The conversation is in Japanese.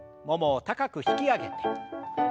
ももを高く引き上げて。